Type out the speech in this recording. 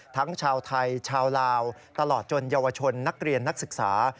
ทั้งชาวไทยชาวลาวตลอดจนเยาวชนนักเรียนนักศึกษา